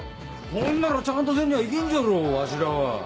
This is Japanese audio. ほんならちゃんとせんにゃあいけんじゃろうわしらは。